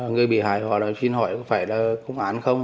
người bị hại họ xin hỏi có phải là khung án không